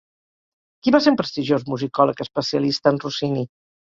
Qui va ser un prestigiós musicòleg especialista en Rossini?